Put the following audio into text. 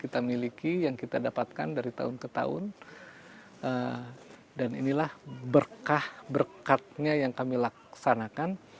kita miliki yang kita dapatkan dari tahun ke tahun dan inilah berkah berkatnya yang kami laksanakan